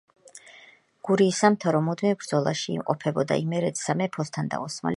გურიის სამთავრო მუდმივ ბრძოლაში იმყოფებოდა იმერეთის სამეფოსთან და ოსმალეთის იმპერიასთან.